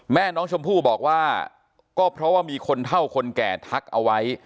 แม่น้องชมพู่บอกว่าก็เพราะว่ามีคนเท่าคนแก่ทักเอาไว้